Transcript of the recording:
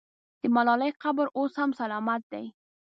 د ملالۍ قبر اوس هم سلامت دی.